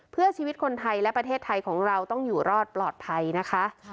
เพื่อชีวิตคนไทยและประเทศไทยของเราต้องอยู่รอดปลอดภัยนะคะ